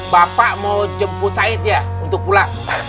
bapak mau jemput said ya untuk pulang